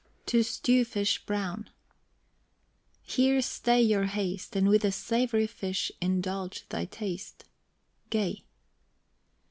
TO STEW FISH BROWN. Here stay thy haste, And with the savory fish indulge thy taste. GAY.